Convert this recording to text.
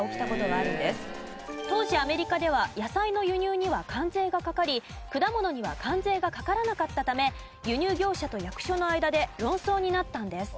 当時アメリカでは野菜の輸入には関税がかかり果物には関税がかからなかったため輸入業者と役所の間で論争になったんです。